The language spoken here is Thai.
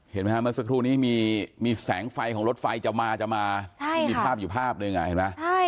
เห็นไหมคะเมื่อสักครู่นี้มีแสงไฟของรถไฟจะมามีภาพอยู่ภาพเลยไงเห็นไหม